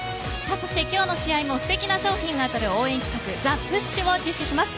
そして今日の試合もすてきな商品が当たる応援企画ＴｈｅＰｕｓｈを実施します。